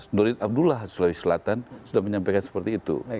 nurdin abdullah sulawesi selatan sudah menyampaikan seperti itu